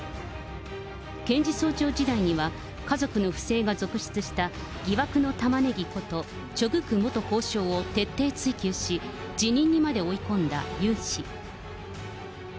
検事総長時代には家族の不正が続出した、疑惑のタマネギこと、チョ・グク元法相を徹底追及し、辞任にまで追い込んだユン氏。